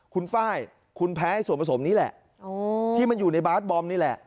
คุณไฟล์คุณแพ้ส่วนผสมนี้แหละที่มันอยู่ในบาสบอมนี่แหละ